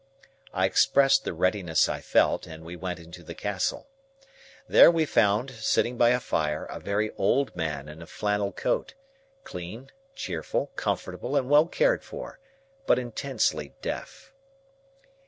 I expressed the readiness I felt, and we went into the castle. There we found, sitting by a fire, a very old man in a flannel coat: clean, cheerful, comfortable, and well cared for, but intensely deaf.